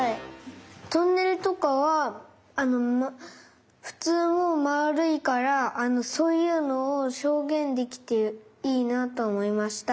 トンネルとかはあのふつうもまるいからあのそういうのをひょうげんできていいなとおもいました。